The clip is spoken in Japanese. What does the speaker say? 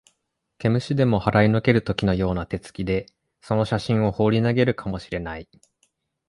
毛虫でも払いのける時のような手つきで、その写真をほうり投げるかも知れない